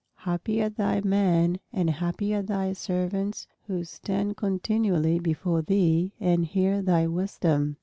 Happy are thy men and happy are thy servants who stand continually before thee and hear thy wisdom."